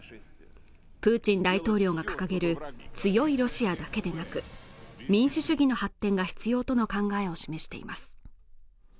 プーチン大統領が掲げる強いロシアだけでなく民主主義の発展が必要との考えを示しています